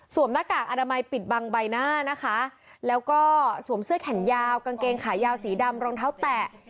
หน้ากากอนามัยปิดบังใบหน้านะคะแล้วก็สวมเสื้อแขนยาวกางเกงขายาวสีดำรองเท้าแตะ